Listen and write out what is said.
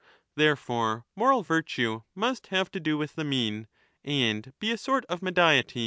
VXherefore moral virtue . must have to do with the mean and be a sort of mediety.